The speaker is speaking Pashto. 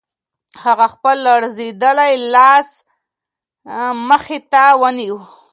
هغه خپل لړزېدلی لاس مخې ته ونیو.